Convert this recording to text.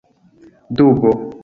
dubo